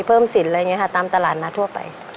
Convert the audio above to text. เพิ่มสินอะไรอย่างเงี้ยค่ะตามตลาดมาทั่วไป